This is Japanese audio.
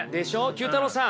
９太郎さん。